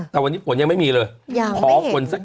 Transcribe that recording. แต่วันนี้ฝนยังไม่มีเลย